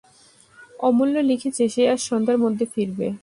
অমূল্য লিখেছে, সে আজ সন্ধ্যার মধ্যে ফিরবে।